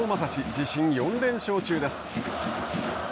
自身４連勝中です。